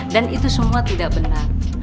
itu semua tidak benar